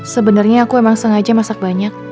sebenarnya aku emang sengaja masak banyak